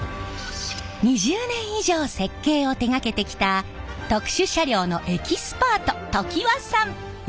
２０年以上設計を手がけてきた特殊車両のエキスパート常盤さん！